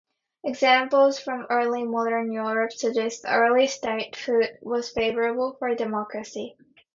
Examples from early modern Europe suggests early statehood was favorable for democracy.